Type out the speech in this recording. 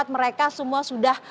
mereka semua sudah